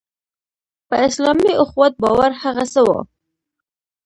په اسلامي اخوت باور هغه څه وو.